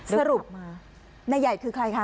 สรุปนายใหญ่คือใครคะ